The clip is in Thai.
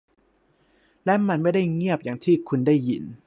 และมันไม่ได้เงียบอย่างที่คุณได้ยิน